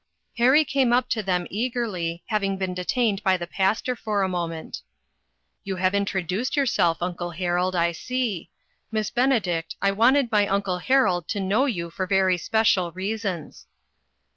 Harry came up to them eagerly, having been detained by the pastor for a moment. "You have introduced yourself, Uncle Harold, I see. Miss Benedict, I wanted my Uncle Harold to know you for very special reasons."